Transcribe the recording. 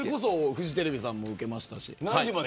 フジテレビさんも受けました。